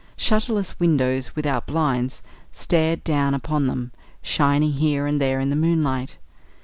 Shutterless windows, without blinds, stared down upon them, shining here and there in the moonlight.